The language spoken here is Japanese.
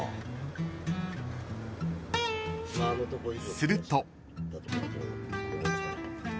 ［すると］